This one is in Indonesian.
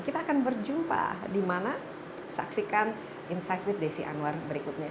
kita akan berjumpa di mana saksikan insight with desi anwar berikutnya